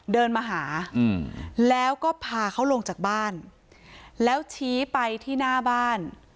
เดินมาหาแล้วก็พาเขาลงจากบ้านแล้วชี้ไปที่หน้าบ้าน